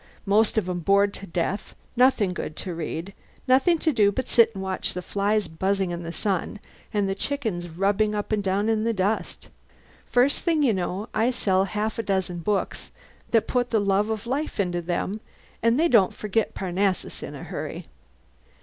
Most of 'em bored to death nothing good to read, nothing to do but sit and watch the flies buzzing in the sun and the chickens rubbing up and down in the dust. First thing you know I'll sell half a dozen books that put the love of life into them, and they don't forget Parnassus in a hurry.